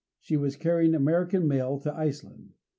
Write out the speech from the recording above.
She was carrying American mail to Iceland.